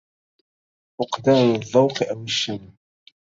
فقدان الذوق أو الشم